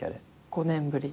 ５年ぶり。